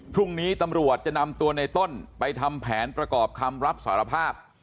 พรุ่งนี้ตำรวจจะนำตัวในต้นไปทำแผนประกอบคำรับสารภาพ